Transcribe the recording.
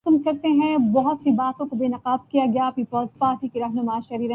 ماچس ہم خرید کر لائے تھے ۔